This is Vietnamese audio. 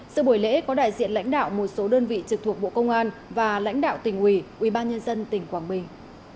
sự buổi lễ có đại diện lãnh đạo một số đơn vị trực thuộc bộ công an và lãnh đạo tỉnh ủy ubnd tỉnh quảng bình